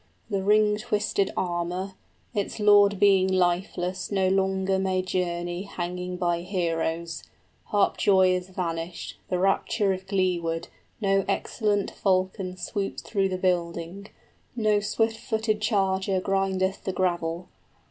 The ring twisted armor, 40 Its lord being lifeless, no longer may journey Hanging by heroes; harp joy is vanished, The rapture of glee wood, no excellent falcon Swoops through the building, no swift footed charger Grindeth the gravel.